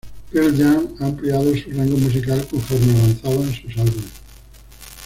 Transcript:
Pearl Jam ha ampliado su rango musical conforme avanzaban sus álbumes.